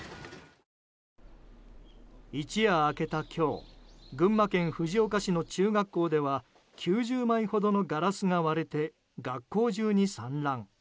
一夜明けた今日群馬県藤岡市の中学校では９０枚ほどのガラスが割れて学校中に散乱。